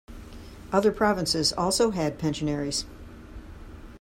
Other provinces also had pensionaries.